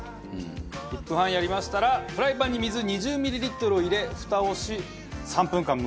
１分半やりましたらフライパンに水２０ミリリットルを入れふたをし３分間蒸し焼きにします。